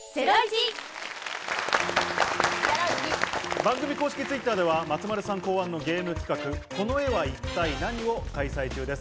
番組公式Ｔｗｉｔｔｅｒでは松丸さん考案のゲーム企画「この絵は一体ナニ！？」を開催中です。